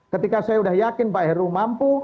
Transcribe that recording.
ketika saya sudah yakin pak heru mampu